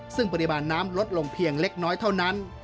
ซึ่งปริมาณน้ำลดลงเพียงเล็กน้อยเท่านั้น